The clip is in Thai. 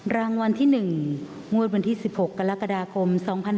รางวัลที่๑งวดวันที่๑๖กรกฎาคม๒๕๖๒